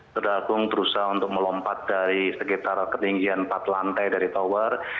saudara agung berusaha untuk melompat dari sekitar ketinggian empat lantai dari tower